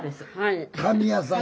紙屋さん。